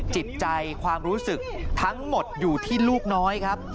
จิตใจความรู้สึกทั้งหมดอยู่ที่ลูกน้อยครับ